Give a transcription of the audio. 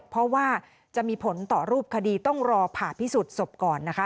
เพราะว่าจะมีผลต่อรูปคดีต้องรอผ่าพิสูจน์ศพก่อนนะคะ